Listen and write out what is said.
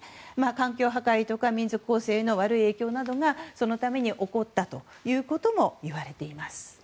環境破壊とか民族構成の悪い影響などがそのために起こったということもいわれています。